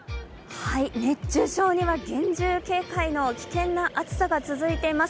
熱中症には厳重警戒の危険な暑さが続いています。